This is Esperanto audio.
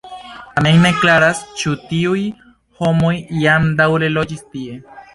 Tamen ne klaras, ĉu tiuj homoj jam daŭre loĝis tie.